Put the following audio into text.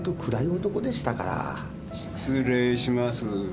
失礼します。